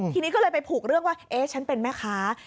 ทีนี้ก็เลยไปผูกเรื่องว่าเอ๊ะฉันเป็นแม่ค้า